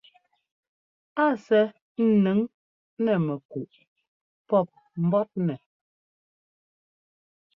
A sɛ́ ńnʉŋ nɛ mɛkúꞌ pɔ́p mbɔ́tnɛ.